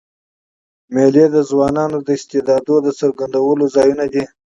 مېلې د ځوانانو د استعدادو د څرګندولو ځایونه دي.